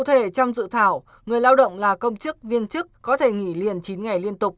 cụ thể trong dự thảo người lao động là công chức viên chức có thể nghỉ liền chín ngày liên tục